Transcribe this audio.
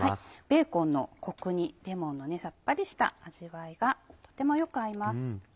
ベーコンのコクにレモンのさっぱりした味わいがとてもよく合います。